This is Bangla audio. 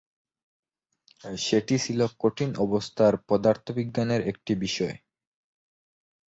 সেটি ছিল কঠিন অবস্থার পদার্থ বিজ্ঞানের একটি বিষয়।